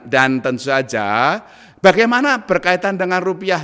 dan tentu saja bagaimana berkaitan dengan rupiah